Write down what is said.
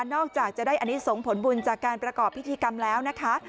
อกจากจะได้อันนี้ส่งผลบุญจากการประกอบพิธีกรรมแล้วนะคะ